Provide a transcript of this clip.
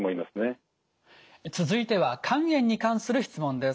続いては肝炎に関する質問です。